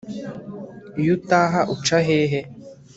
iyo utaha uca hehe